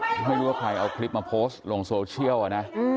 คือไม่รู้ว่าใครเอาคลิปมาโพสต์ลงโซเชียลนะ